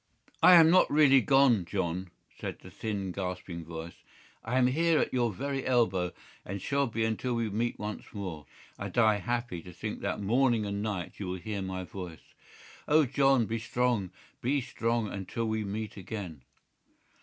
"I am not really gone, John," said the thin, gasping voice. "I am here at your very elbow, and shall be until we meet once more. I die happy to think that morning and night you will hear my voice. Oh, John, be strong, be strong, until we meet again."